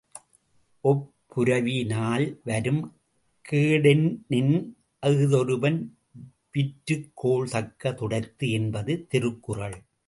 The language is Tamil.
ஒப்புரவி னால் வரும் கேடெனின் அஃதொருவன் விற்றுக்கோள் தக்க துடைத்து என்பது திருக்குறள்.